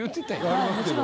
ありますけど。